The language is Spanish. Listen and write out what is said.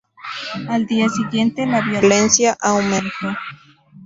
Al día siguiente la violencia aumentó.